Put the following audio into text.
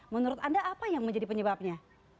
menurut anda apa yang menjadi penyebabnya